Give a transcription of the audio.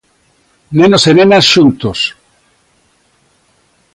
Nenos e nenas xuntos.